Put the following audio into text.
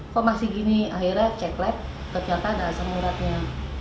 kok masih gini akhirnya cek lab ternyata ada asam uratnya